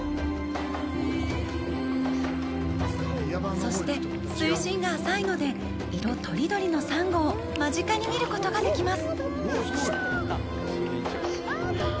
そして、水深が浅いので色とりどりのサンゴを間近に見ることができます。